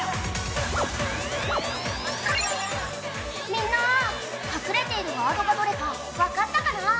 みんな、隠れているワードがどれか分かったかな？